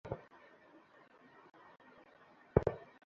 সরকারের হাতে সেটা তুলে দেওয়া।